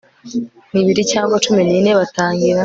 nibiri cyangwa cumi nine batangira